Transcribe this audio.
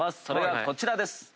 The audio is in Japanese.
それがこちらです。